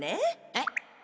えっ？